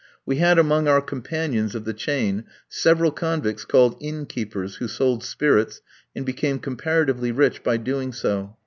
We had among our companions of the chain several convicts called "innkeepers," who sold spirits, and became comparatively rich by doing so.